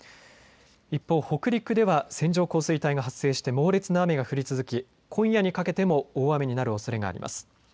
一方、北陸では線状降水帯が発生して猛烈な雨が降り続き今夜にかけても大雨になるおそれがあります。